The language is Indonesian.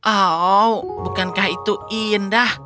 oh bukankah itu indah